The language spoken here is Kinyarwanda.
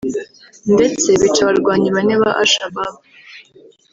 ndetse bica abarwanyi bane ba Al-Shabaab